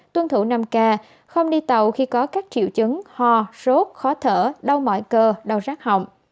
tuân thủ năm k không đi tàu khi có các triệu chứng ho sốt khó thở đau mỏi cơ đau rác hỏng